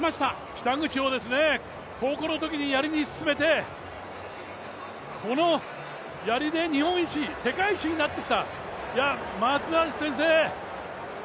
北口を高校のときにやりに進めて、このやりで日本一、世界一になってきた。